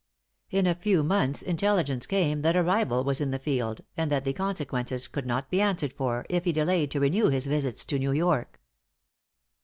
In a few months intelligence came that a rival was in the field, and that the consequences could not be answered for, if he delayed to renew his visits to New York."